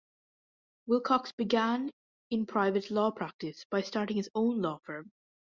Wilcox began in private law practice by starting his own law firm.